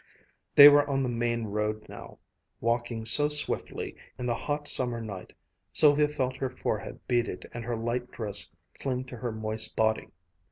They were on the main road now, walking so swiftly that, in the hot summer night, Sylvia felt her forehead beaded and her light dress cling to her moist body.